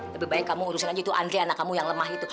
lebih baik kamu urusin aja itu andre anak kamu yang lemah itu